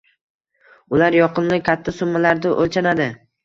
ular yoqimli, katta summalarda oʻlchanadi.